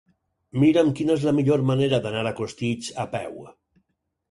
Mira'm quina és la millor manera d'anar a Costitx a peu.